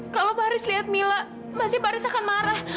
kalau pak haris lihat mila maksudnya pak haris akan marah